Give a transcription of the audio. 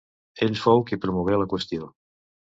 Ell fou qui promogué la qüestió.